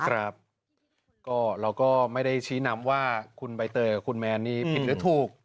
ครับก็เราก็ไม่ได้ชี้นำว่าคุณใบเตยกับคุณแมนนี่ผิดหรือถูก